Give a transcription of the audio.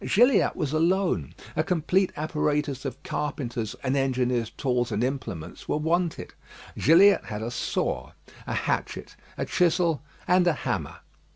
Gilliatt was alone; a complete apparatus of carpenters' and engineers' tools and implements were wanted. Gilliatt had a saw, a hatchet, a chisel, and a hammer.